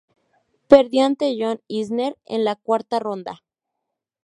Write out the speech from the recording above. Perdió ante John Isner en la cuarta ronda.